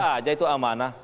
ya biasa aja itu amanah